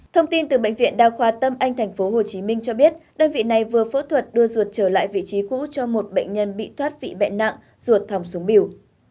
thông tin từ bệnh viện đa khoa tâm anh tp hcm cho biết đơn vị này vừa phẫu thuật đưa ruột trở lại vị trí cũ cho một bệnh nhân bị thoát vị bệnh nặng ruột thòm xuống biểu